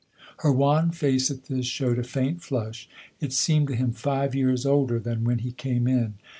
Her wan face, at this, showed a faint flush ; it seemed to him five years older than when he came in.